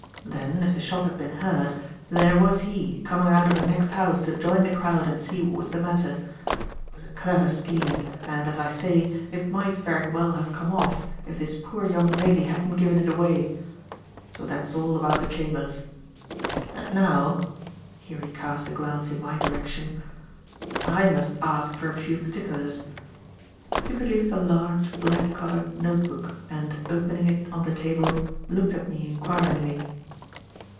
Then, if the shot had been heard, there was he, coming out of the next house to join the crowd and see what was the matter. It was a clever scheme, and, as I say, it might very well have come off if this poor young lady hadn't given it away. So that's all about the chambers; and now" here he cast a glance in my direction "I must ask for a few particulars." He produced a large, black covered notebook and, opening it on the table, looked at me inquiringly.